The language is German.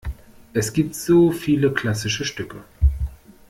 Es gibt so viele klassische Stücke!